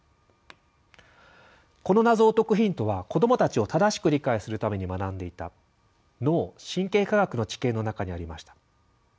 この謎を解くヒントは子どもたちを正しく理解するために学んでいた脳・神経科学の知見の中にありました。